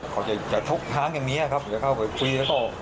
เขาจะจะทุกทางอย่างเนี้ยครับเดี๋ยวเข้าไปคุยแล้วก็